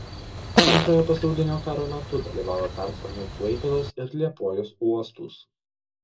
Antrojo pasaulinio karo metu dalyvavo pertvarkant Klaipėdos ir Liepojos uostus.